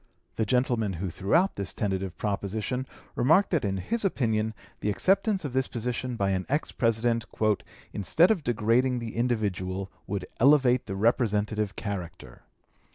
The gentleman who threw out this tentative proposition remarked that in his opinion the acceptance of this position by an ex President "instead of degrading the individual would elevate the representative character."